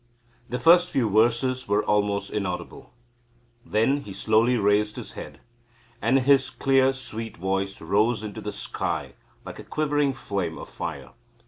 The first few verses were almost inaudible. Then he slowly raised his head, and his clear sweet voice rose into the sky like a quivering flame of fire.